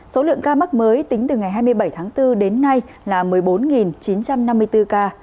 số lượng ca mắc mới tính từ ngày hai mươi bảy tháng bốn đến nay là một mươi bốn chín trăm năm mươi bốn ca